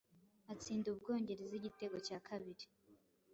atsinda u Bwongereza igitego cya kabiri